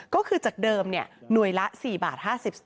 ก็คือจากเดิมหน่วยละ๔๕๐บาท